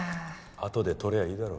あとで取りゃいいだろ。